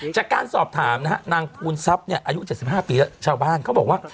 จากการสอบถามนะฮะนางภูนทรัพย์เนี่ยอายุ๗๕ปีแล้วชาวบ้านเขาบอกว่า